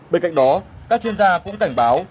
bên cạnh đó các chuyên gia cũng cảnh báo